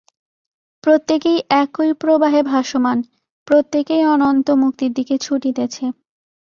প্রত্যেকেই একই প্রবাহে ভাসমান, প্রত্যেকেই অনন্ত মুক্তির দিকে ছুটিতেছে।